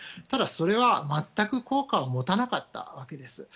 ただ、それは全く効果を持たなかったわけです。